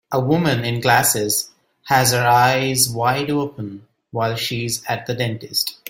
A woman in glasses has her eyes wide open while she is at the dentist.